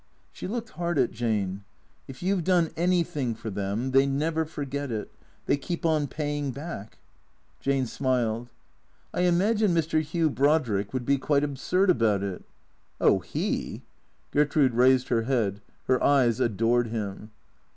She looked hard at Jane. " If you 've done anything for them, they never forget it. They keep on paying back." Jane smiled. " I imagine Mr. Hugh Brodrick would be quite absurd about it." "Oh, lie " Gertrude raised her head. Her eyes adored him.